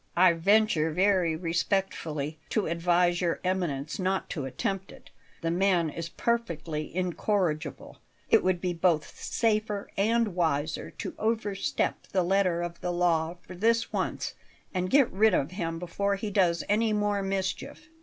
"I venture very respectfully to advise Your Eminence not to attempt it. The man is perfectly incorrigible. It would be both safer and wiser to overstep the letter of the law for this once, and get rid of him before he does any more mischief.